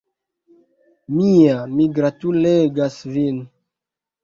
Mia, mi gratulegas vin!